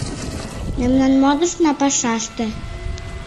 Мемнан модышна — пашаште.